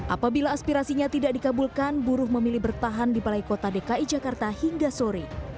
apabila aspirasinya tidak dikabulkan buruh memilih bertahan di balai kota dki jakarta hingga sore